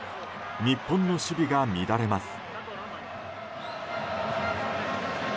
日本の守備が乱れます。